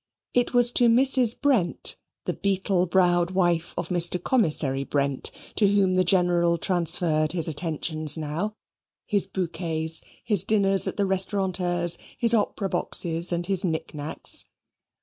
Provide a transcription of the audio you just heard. It was to Mrs. Brent, the beetle browed wife of Mr. Commissary Brent, to whom the general transferred his attentions now his bouquets, his dinners at the restaurateurs', his opera boxes, and his knick knacks.